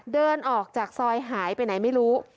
เดินออกจากซอยหายไปไหนไม่รู้